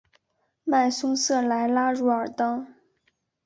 迈松瑟莱拉茹尔当。